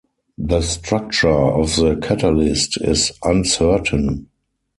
The structure of the catalyst is uncertain.